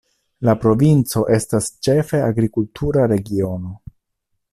La provinco estas ĉefe agrikultura regiono.